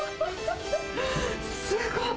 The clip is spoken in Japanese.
すごい！